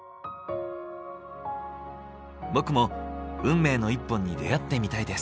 僕も運命の一本に出会ってみたいです。